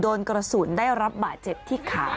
โดนกระสุนได้รับบาดเจ็บที่ขา